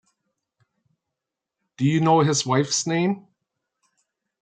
Do you know his wife's name?